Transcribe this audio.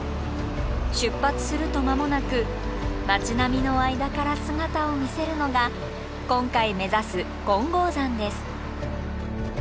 出発すると間もなく町並みの間から姿を見せるのが今回目指す金剛山です。